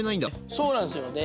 そうなんですよね。